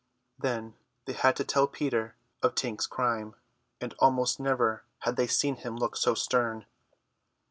Then they had to tell Peter of Tink's crime, and almost never had they seen him look so stern.